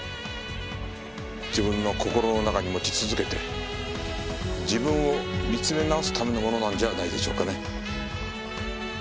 自分の心の中に持ち続けて自分を見つめ直すためのものなんじゃないでしょうかね？